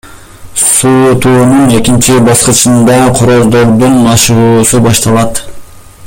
Суутуунун экинчи баскычында короздордун машыгуусу башталат.